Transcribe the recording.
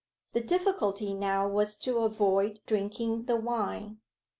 The difficulty now was to avoid drinking the wine.